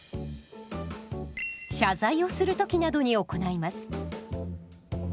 謝罪をするときなどに行います。